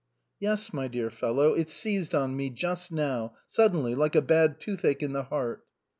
" Yes, my dear fellow, it seized on me, just now, sud denly, like a bad toothache in the heart."